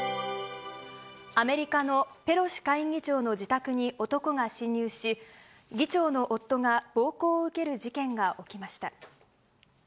アメリカのペロシ下院議長の自宅に男が侵入し、議長の夫が暴行を受ける事件が起きました。